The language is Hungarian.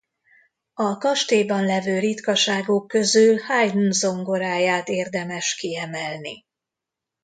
A kastélyban levő ritkaságok közül Haydn zongoráját érdemes kiemelni.